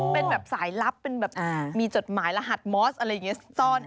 เป็นแบบสายลับมีจดหมายรหัสมอสอะไรอย่างนี้